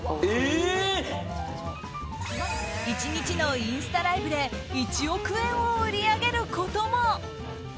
１日のインスタライブで１億円を売り上げることも。